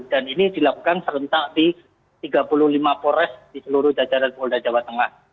dan ini dilakukan serentak di tiga puluh lima polres di seluruh jajaran polda jawa tengah